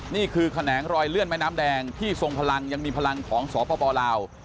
แขนงรอยเลื่อนแม่น้ำแดงที่ทรงพลังยังมีพลังของสปลาว